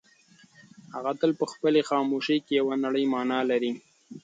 هغه تل په خپلې خاموشۍ کې یوه نړۍ مانا لري.